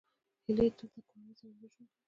هیلۍ تل له کورنۍ سره یوځای ژوند کوي